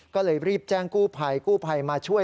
ก็เลยรีบแจ้งกู้ภัยกู้ภัยมาช่วย